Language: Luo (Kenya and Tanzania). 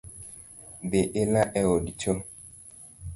Dhi ila e od cho